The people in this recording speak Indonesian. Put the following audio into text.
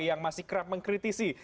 yang masih kerap mengkritisi